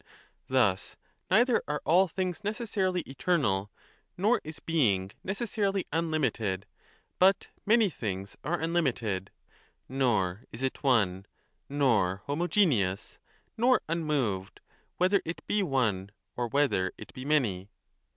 35 Thus neither are all things necessarily eternal nor is Being necessarily unlimited (but many things are unlimited), nor is it one, nor homogeneous, nor unmoved, whether it be one or whether it be many.